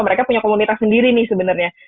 mereka punya komunitas sendiri nih sebenarnya